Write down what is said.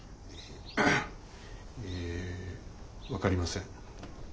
ええ分かりません。